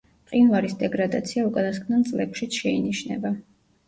მყინვარის დეგრადაცია უკანასკნელ წლებშიც შეინიშნება.